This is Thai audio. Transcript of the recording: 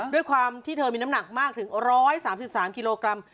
ด้วยความที่เธอมีน้ำหนักมากถึง๑๓๓กิโลกรัม